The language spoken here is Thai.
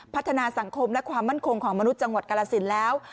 พัฒนาสังคมและความมั่นคงของมนุษย์จังหวัดกรสินแล้ว